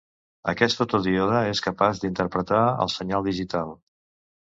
Aquest fotodíode és capaç d'interpretar el senyal digital.